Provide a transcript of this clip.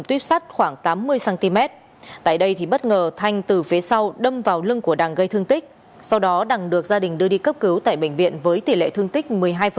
tuyếp sắt khoảng tám mươi cm tại đây thì bất ngờ thanh từ phía sau đâm vào lưng của đằng gây thương tích sau đó đằng được gia đình đưa đi cấp cứu tại bệnh viện với tỷ lệ thương tích một mươi hai